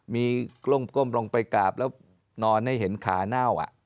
มีกล้มลงไปกราบแล้วนอนให้เห็นขาเน่า